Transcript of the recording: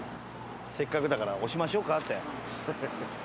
せっかくだから押しましょうかって。